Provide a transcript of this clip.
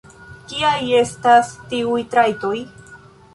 Kiaj estas tiuj trajtoj?